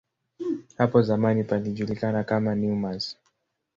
Hapo zamani palijulikana kama "Nemours".